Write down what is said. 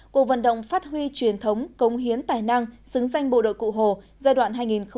cuộc vận động phát huy truyền thống cống hiến tài năng xứng danh bộ đội cụ hồ giai đoạn hai nghìn một mươi bốn hai nghìn một mươi chín